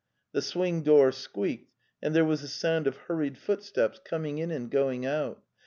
The swing door squeaked, and there was the sound of hurried footsteps, coming in and going out.